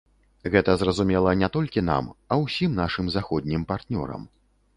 Гэта зразумела не толькі нам, а ўсім нашым заходнім партнёрам.